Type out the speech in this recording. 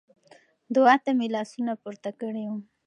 دعا ته مې لاسونه پورته کړي وو.